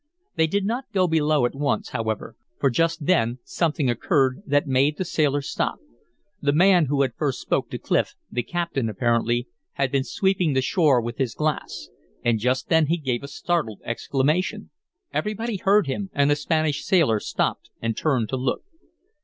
They did not go below at once, however, for just then something occurred that made the sailor stop. The man who had first spoke to Clif, the captain, apparently, had been sweeping the shore with his glass. And just then he gave a startled exclamation. Everybody heard him, and the Spanish sailor stopped and turned to look.